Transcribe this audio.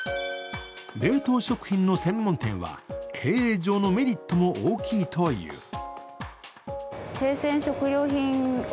冷凍食品の専門店は経営上のメリットも大きいという。